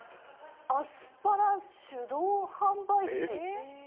アスパラ手動販売機。